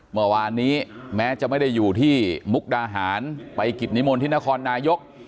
เมื่อวานนี้แม้จะไม่ได้อยู่ที่มุกดาหารไปกิจนิมนต์ที่นครนายก